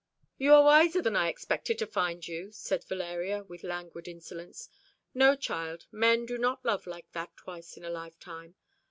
"You are wiser than I expected to find you," said Valeria, with languid insolence. "No, child, men do not love like that twice in a lifetime.